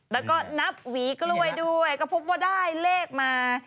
แล้วก็นับหวีกล้วยด้วยก็พบว่าได้เลขมา